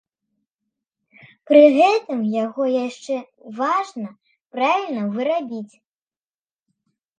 Пры гэтым яго яшчэ важна правільна вырабіць.